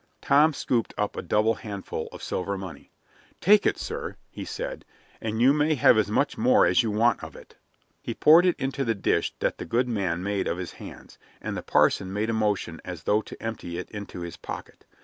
Tom scooped up a double handful of silver money. "Take it, sir," he said, "and you may have as much more as you want of it." He poured it into the dish that the good man made of his hands, and the parson made a motion as though to empty it into his pocket.